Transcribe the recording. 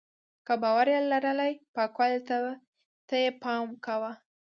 که باور یې لرلی پاکوالي ته یې پام کاوه.